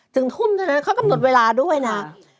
ถึงทุ่มใช่ไหมเขากำหนดเวลาด้วยนะ